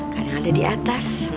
kadang ada di atas